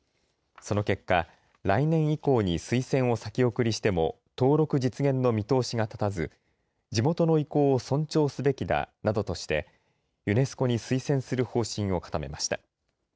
その結果、来年以降に推薦を先送りしても登録実現の見通しが立たず地元の意向を尊重すべきだなどとしてユネスコに推薦する方針を固めました。